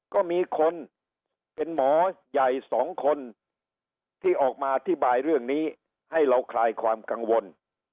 ก็มีคนเป็นหมอใหญ่สองคนที่ออกมาอธิบายเรื่องนี้ให้เราคลายความกังวล